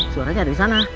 suaranya ada di sana